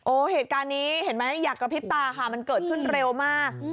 เหตุการณ์นี้เห็นไหมอยากกระพริบตาค่ะมันเกิดขึ้นเร็วมาก